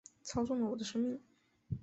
操纵了我的生命